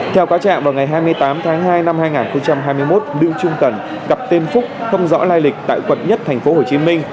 theo cá trạng vào ngày hai mươi tám tháng hai năm hai nghìn hai mươi một lưu trung cần gặp tên phúc không rõ lai lịch tại quận nhất thành phố hồ chí minh